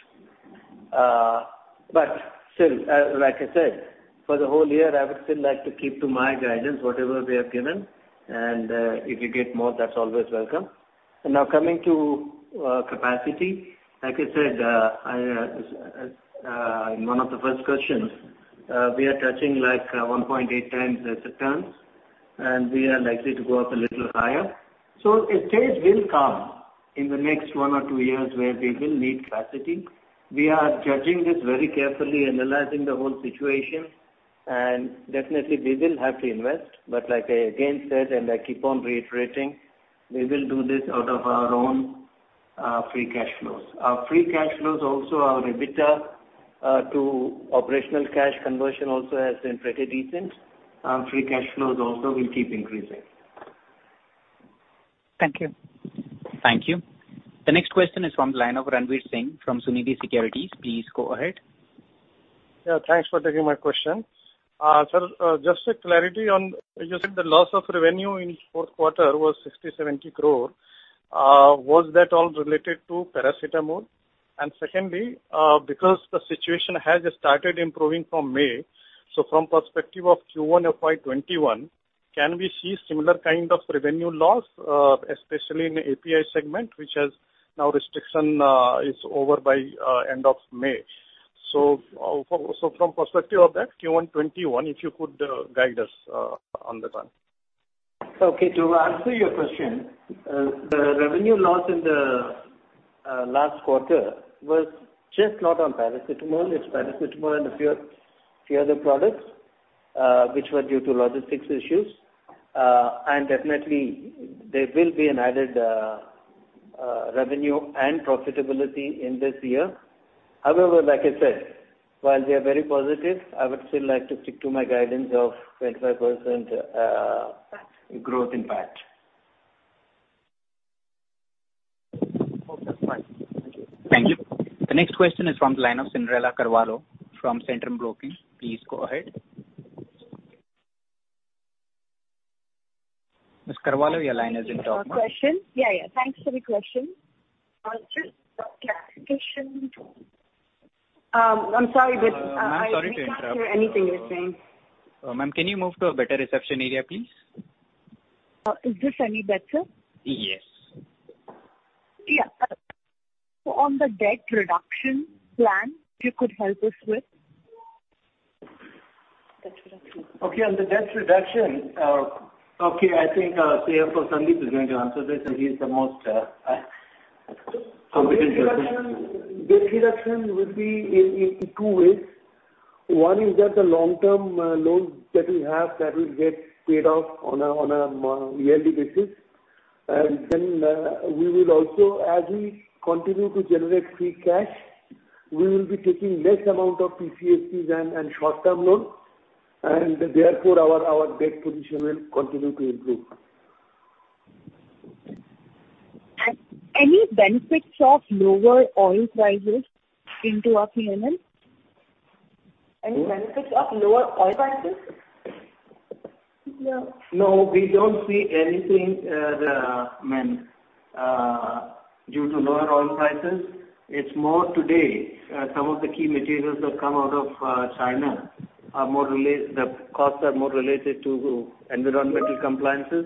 D: Still, like I said, for the whole year, I would still like to keep to my guidance, whatever we have given. If we get more, that's always welcome. Now coming to capacity. Like I said in one of the first questions, we are touching like 1.8 times the We are likely to go up a little higher. A stage will come in the next 1 or 2 years where we will need capacity. We are judging this very carefully, analyzing the whole situation, and definitely we will have to invest. Like I again said, and I keep on reiterating, we will do this out of our own free cash flows. Our free cash flows also, our EBITDA to operational cash conversion also has been pretty decent. Free cash flows also will keep increasing.
K: Thank you.
A: Thank you. The next question is from the line of Ranvir Singh fromSunidhi Securities. Please go ahead.
L: Yeah, thanks for taking my question. Sir, just a clarity on, you said the loss of revenue in fourth quarter was 60-70 crore. Was that all related to paracetamol? Secondly, because the situation has started improving from May, from perspective of Q1 FY 2021, can we see similar kind of revenue loss, especially in API segment, which has now restriction is over by end of May. From perspective of that, Q1 2021, if you could guide us on the one.
D: Okay. To answer your question, the revenue loss in the last quarter was just not on paracetamol. It's paracetamol and a few other products which were due to logistics issues. Definitely, there will be an added revenue and profitability in this year. However, like I said, while we are very positive, I would still like to stick to my guidance of 25% growth in PAT.
L: Okay. Fine. Thank you.
A: Thank you. The next question is from the line of Cyndrella Carvalho from Centrum Broking. Please go ahead. Ms. Carvalho, your line is in talk.
M: Question. Yeah. Thanks for the question. Just clarification I'm sorry.
A: Ma'am, sorry to interrupt we can't hear anything you're saying. Ma'am, can you move to a better reception area, please?
M: Is this any better?
A: Yes.
M: Yeah. On the debt reduction plan, if you could help us with.
D: Okay. On the debt reduction, I think CFO Sandeep is going to answer this, and he's the most competent person. Debt reduction will be in two ways. One is that the long-term loans that we have that will get paid off on a yearly basis. Then we will also, as we continue to generate free cash, we will be taking less amount of PCFCs and short-term loans, and therefore our debt position will continue to improve.
M: Any benefits of lower oil prices into our P&L?
D: No, we don't see anything, ma'am, due to lower oil prices. It's more today, some of the key materials that come out of China, the costs are more related to environmental compliances.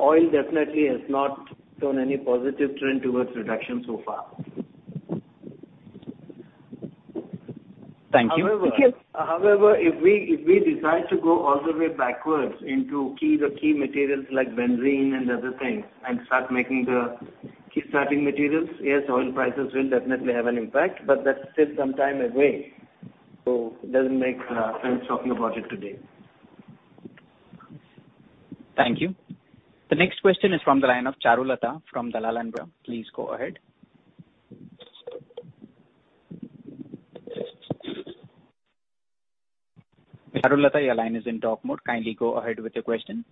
D: Oil definitely has not shown any positive trend towards reduction so far.
M: Thank you. Thank you.
D: However, if we decide to go all the way backwards into the key materials like benzene and other things and start making the key starting materials, oil prices will definitely have an impact, that's still some time away, it doesn't make sense talking about it today.
A: Thank you. The next question is from the line of Charulata from Dalal & Broacha. Please go ahead. Charulata, your line is in talk mode. Kindly go ahead with the question.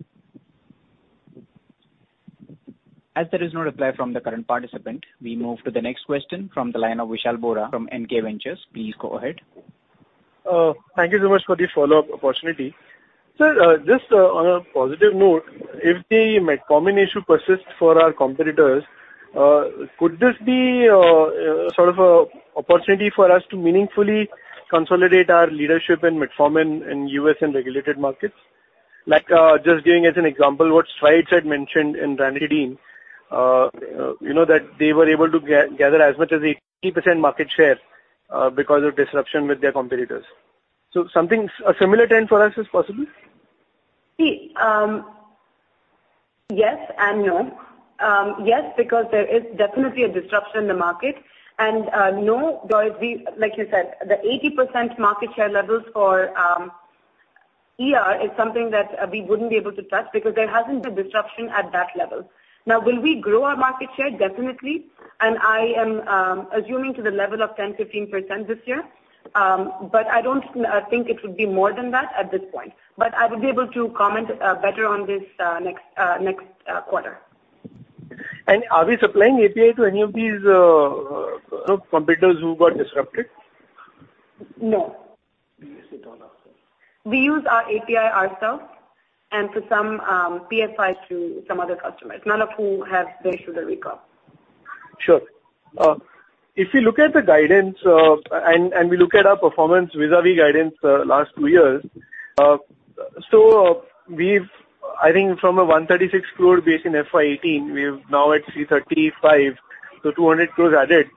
A: As there is no reply from the current participant, we move to the next question from the line of Vishal Biraia from NK Ventures. Please go ahead.
H: Thank you so much for the follow-up opportunity. Sir, just on a positive note, if the metformin issue persists for our competitors, could this be sort of an opportunity for us to meaningfully consolidate our leadership in metformin in U.S. and regulated markets? Just giving as an example what Strides had mentioned in ranitidine, that they were able to gather as much as 80% market share because of disruption with their competitors. Something, a similar trend for us is possible?
F: See, yes and no. Yes, because there is definitely a disruption in the market. No, like you said, the 80% market share levels for ER is something that we wouldn't be able to touch because there hasn't been disruption at that level. Now, will we grow our market share? Definitely. I am assuming to the level of 10%, 15% this year. I don't think it would be more than that at this point. I would be able to comment better on this next quarter.
H: Are we supplying API to any of these competitors who got disrupted?
F: No.
D: We use it all ourselves.
F: We use our API ourselves and for some PFI to some other customers, none of whom have their sugar recovery.
H: Sure. We look at the guidance, and we look at our performance vis-a-vis guidance the last two years. We've, I think from an 136 crore base in FY 2018, we're now at 335 crore, 200 crore added.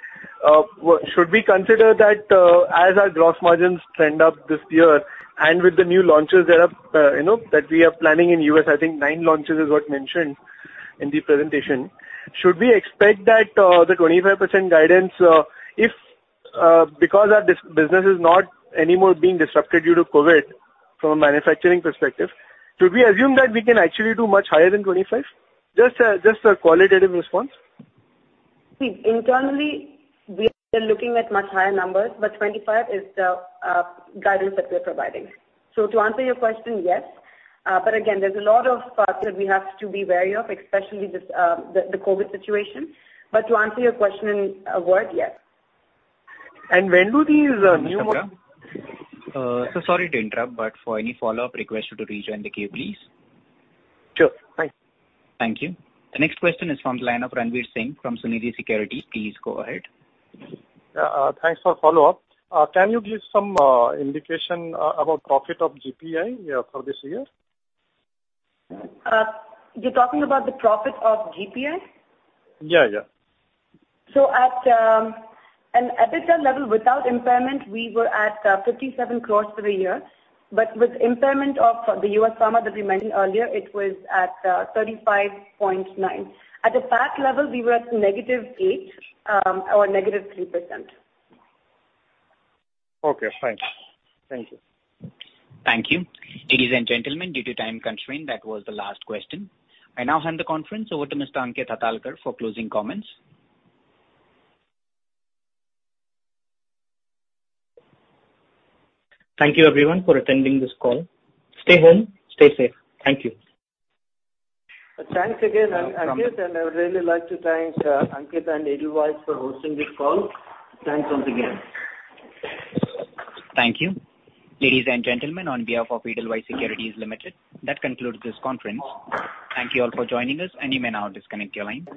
H: Should we consider that as our gross margins trend up this year and with the new launches that we are planning in U.S., I think nine launches is what mentioned in the presentation. Should we expect that the 25% guidance, because our business is not anymore being disrupted due to COVID from a manufacturing perspective, should we assume that we can actually do much higher than 25%? Just a qualitative response.
F: Internally, we are looking at much higher numbers, but 25 is the guidance that we are providing. To answer your question, yes. Again, there's a lot of parts that we have to be wary of, especially the COVID situation. To answer your question in a word, yes.
H: When do these new-
A: Mr. Biraia. Sir, sorry to interrupt, for any follow-up, request you to rejoin the queue, please.
H: Sure. Thanks.
A: Thank you. The next question is from the line of Ranvir Singh from Sunidhi Securities. Please go ahead.
L: Thanks for follow-up. Can you give some indication about profit of GPI for this year?
F: You're talking about the profit of GPI?
L: Yeah.
F: At an EBITDA level, without impairment, we were at 57 crores for the year. With impairment of the US Pharma that we mentioned earlier, it was at 35.9. At a PAT level, we were at INR negative 8, or negative 3%.
L: Okay, fine. Thank you.
A: Thank you. Ladies and gentlemen, due to time constraint, that was the last question. I now hand the conference over to Mr. Ankit Hatalkar for closing comments.
B: Thank you, everyone, for attending this call. Stay home, stay safe. Thank you.
D: Thanks again, Ankit, and I would really like to thank Ankit and Edelweiss for hosting this call. Thanks once again.
A: Thank you. Ladies and gentlemen, on behalf of Edelweiss Securities Limited, that concludes this conference. Thank you all for joining us. You may now disconnect your line.